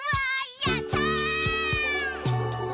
やったー！」